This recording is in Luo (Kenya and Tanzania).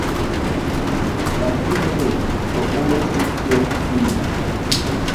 Nyathinini to ume sik chwer pi nade?